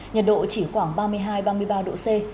nhiệt độ chỉ khoảng ba mươi hai ba mươi ba độ c